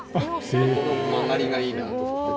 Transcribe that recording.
この曲がりがいいなと思って。